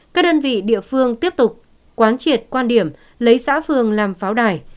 các đơn vị địa phương tiếp tục quán triệt quan điểm lấy xã phường làm pháo đài